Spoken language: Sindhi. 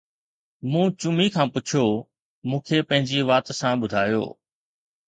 مون چمي کان پڇيو، مون کي پنهنجي وات سان ٻڌايو